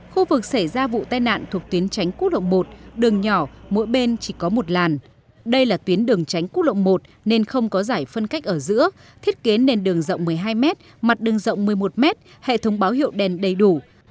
khu vực xảy ra vụ tai nạn thuộc tuyến tránh quốc lộ một đường nhỏ mỗi bên chỉ có một làn đây là tuyến đường tránh quốc lộ một nên không có giải phân cách ở giữa thiết kế nền đường rộng một mươi hai mét mặt đường rộng một mươi một m hệ thống báo hiệu đèn đầy đủ